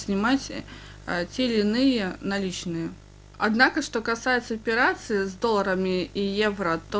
namun terkait operasi dengan dolar dan euro